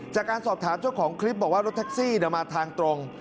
จากการสอบถามเจ้าของคลิปบอกว่ารถแท็กซี่มาทางตรง